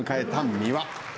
三輪。